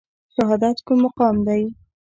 شهادت کوم مقام دی؟